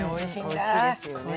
おいしいですよね。